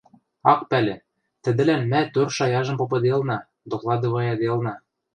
Ак пӓлӹ, тӹдӹлӓн мӓ тӧр шаяжым попыделна, докладывайыделна.